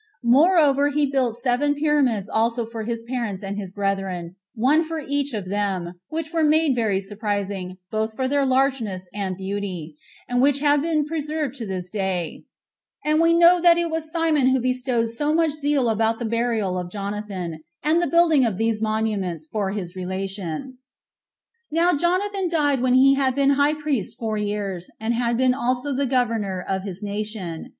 Moreover, he built seven pyramids also for his parents and his brethren, one for each of them, which were made very surprising, both for their largeness and beauty, and which have been preserved to this day; and we know that it was Simon who bestowed so much zeal about the burial of Jonathan, and the building of these monuments for his relations. Now Jonathan died when he had been high priest four years 13 and had been also the governor of his nation.